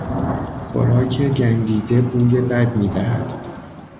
خوراک گندیده بوی بد میدهد.